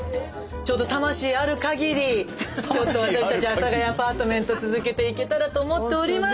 ちょっと魂あるかぎりちょっと私たち阿佐ヶ谷アパートメント続けていけたらと思っております。